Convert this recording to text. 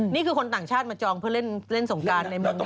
นี่คือคนต่างชาติมาจองเพื่อเล่นสงการในเมืองไทย